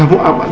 aku akan menang